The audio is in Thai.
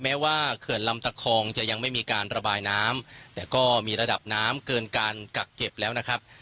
แม้ว่าเขื่อนลำตะคองจะยังไม่มีการระบายน้ำแต่ก็มีระดับน้ำเกินการกักเก็บแล้วนะครับ